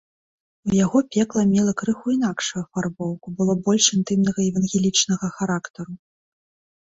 У яго пекла мела крыху інакшую афарбоўку, было больш інтымнага евангелічнага характару.